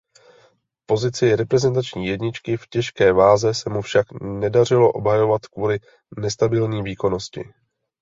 Pozici reprezentační jedničky v těžké váze se mu však nedařilo obhajovat kvůli nestabilní výkonnosti.